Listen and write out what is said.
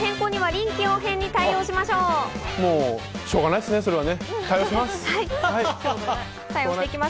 しょうがないっすね、それは対応します。